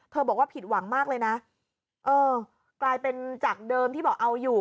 บอกว่าผิดหวังมากเลยนะเออกลายเป็นจากเดิมที่บอกเอาอยู่